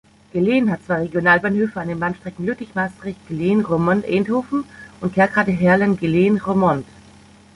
Geleen hat zwei Regionalbahnhöfe an den Bahnstrecken Lüttich–Maastricht–Geleen–Roermond–Eindhoven und Kerkrade–Heerlen–Geleen–Roermond.